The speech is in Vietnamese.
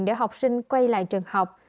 để học sinh quay lại trường học